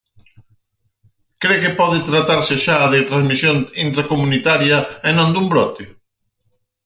Cre que pode tratarse xa de transmisión intracomunitaria e non dun brote?